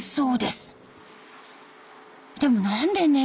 でも何で猫？